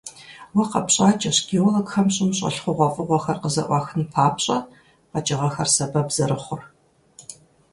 Уэ къэпщӀакӀэщ, геологхэм щӀым щӀэлъ хъугъуэфӀыгъуэхэр къызэӀуахын папщӀэ, къэкӀыгъэхэр сэбэп зэрыхъур.